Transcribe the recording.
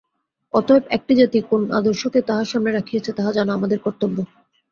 অতএব একটি জাতি কোন আদর্শকে তাহার সামনে রাখিয়াছে, তাহা জানা আমাদের কর্তব্য।